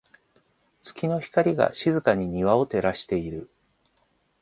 月の光が、静かに庭を照らしている。